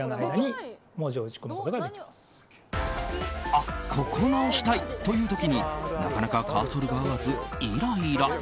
あっ、ここ直したいという時になかなかカーソルが合わずイライラ。